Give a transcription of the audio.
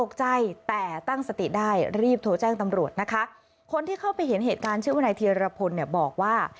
คนที่เข้าไปเห็นเหตุการณ์ชื่อวนายเทียรพลบอกว่า